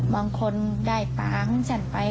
มองคนได้ปลาของฉันไป